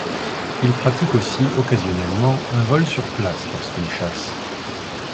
Il pratique aussi occasionnellement un vol sur place lorsqu’il chasse.